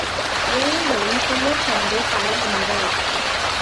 ஏழைகளின் துயர் கண்டு கலங்கினவர்.